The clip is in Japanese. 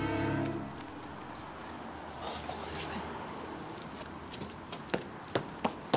ここですね。